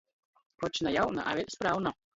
Koč na jauna, a vēļ sprauna.